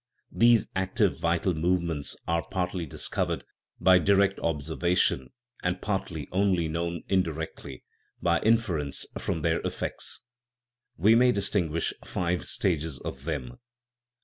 These active vital movements are partly discovered by direct observation and partly only known indirectly, by inference from their effects. We may distinguish five stages of them.